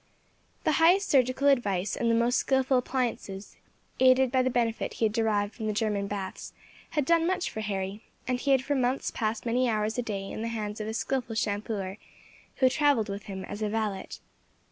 The highest surgical advice, and the most skilful appliances, aided by the benefit he had derived from the German baths, had done much for Harry, and he had for months passed many hours a day in the hands of a skilful shampooer, who travelled with him as valet.